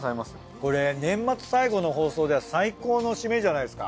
これ年末最後の放送では最高のシメじゃないですか？